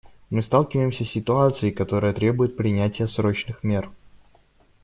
Мы сталкиваемся с ситуацией, которая требует принятия срочных мер.